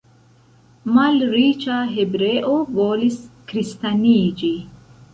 Malriĉa hebreo volis kristaniĝi.